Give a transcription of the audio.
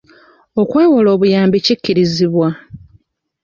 Okwewola obuyambi kikkirizibwa.